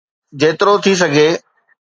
جيترو ٿي سگهي.